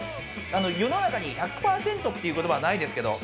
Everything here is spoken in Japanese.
世の中に１００％という言葉はないですけれども。